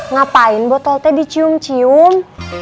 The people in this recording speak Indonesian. ngapain botol teh dicium cium